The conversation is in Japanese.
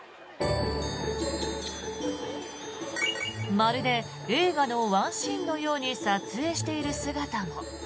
まるで映画のワンシーンのように撮影している姿も。